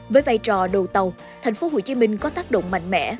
với vai trò đầu tàu thành phố hồ chí minh có tác động mạnh mẽ